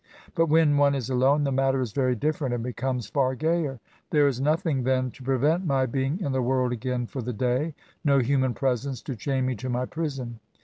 But when one is alone, the matter is very different, and becomes far gayer. There is nothing, then, to prevent my being in the world again for the day ; no human presence to chain me to my prison.